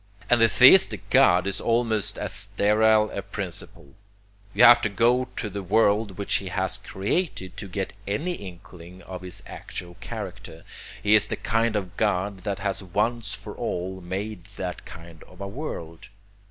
And the theistic God is almost as sterile a principle. You have to go to the world which he has created to get any inkling of his actual character: he is the kind of god that has once for all made that kind of a world.